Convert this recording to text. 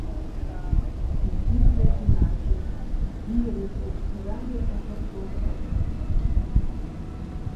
Yn syn presintaasje hie er it oer trije fan soksoarte organisaasjes.